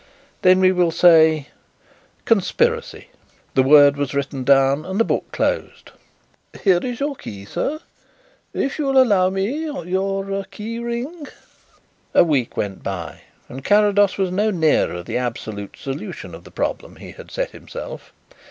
"Then we will say 'Conspiracy.'" The word was written down and the book closed. "Here is your key, sir. If you will allow me your key ring " A week went by and Carrados was no nearer the absolute solution of the problem he had set himself.